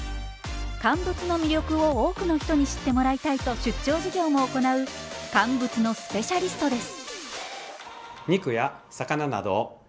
乾物の魅力を多くの人に知ってもらいたいと出張授業も行う乾物のスペシャリストです。